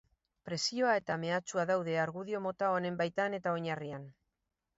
Presioa eta mehatxua daude argudio mota honen baitan eta oinarrian.